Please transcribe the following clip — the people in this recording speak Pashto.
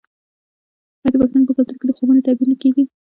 آیا د پښتنو په کلتور کې د خوبونو تعبیر نه کیږي؟